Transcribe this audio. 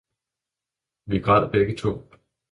vi græd begge to.